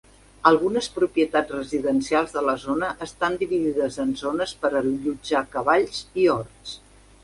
Algunes propietats residencials de la zona estan dividides en zones per allotjar cavalls i horts.